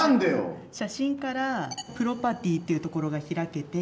写真からプロパティっていうところが開けて